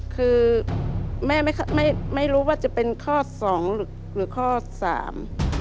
คือแม่ไม่ไม่ไม่รู้ว่าจะเป็นข้อสองหรือข้อสาม